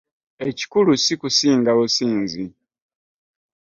Ekikulu si kusinga businzi.